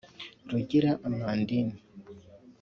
Rugira Amandin